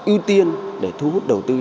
ưu tiên để thu hút đầu tư